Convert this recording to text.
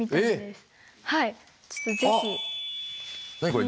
これ。